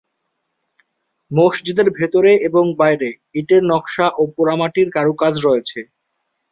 মসজিদের ভেতরে এবং বাইরে ইটের নকশা ও পোড়ামাটির কারুকাজ রয়েছে।